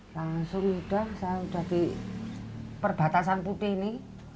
langsung sudah saya sudah di perbatasan putih ini